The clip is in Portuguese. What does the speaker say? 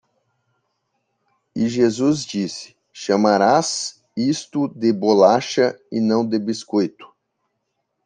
E Jesus disse, chamarás isto de bolacha e não de biscoito!